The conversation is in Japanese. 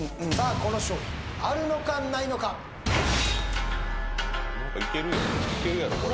この商品あるのかないのかいけるよいけるやろ